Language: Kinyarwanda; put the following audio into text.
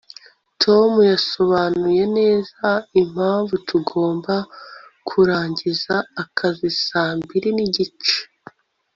tom yasobanuye neza impamvu tugomba kurangiza akazi saa mbiri nigice